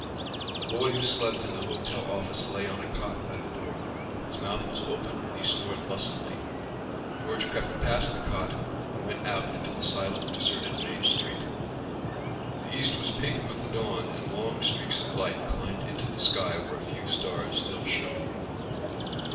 The boy who slept in the hotel office lay on a cot by the door. His mouth was open and he snored lustily. George crept past the cot and went out into the silent deserted main street. The east was pink with the dawn and long streaks of light climbed into the sky where a few stars still shone.